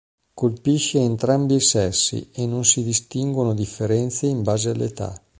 Colpisce entrambi i sessi e non si distinguono differenze in base all'età.